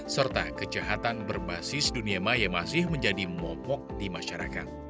serta kejahatan berbasis dunia maya masih menjadi mopok di masyarakat